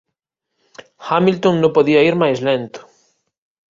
Hamilton no podía ir máis lento.